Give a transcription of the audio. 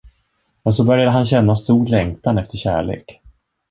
Men så började han känna stor längtan efter kärlek.